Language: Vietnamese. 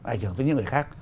ảnh hưởng tới những người khác